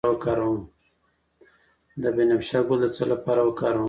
د بنفشه ګل د څه لپاره وکاروم؟